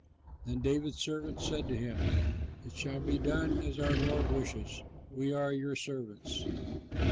Then David's servants said to him, "It shall be done as our lord wishes; we are your servants."